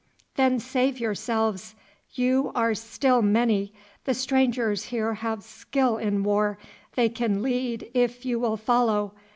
"Then save yourselves. You are still many, the strangers here have skill in war, they can lead if you will follow.